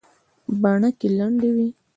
بڼکې لندې وې.